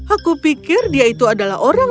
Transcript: aku pikir dia itu adalah orang